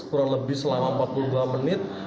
kurang lebih selama empat bulan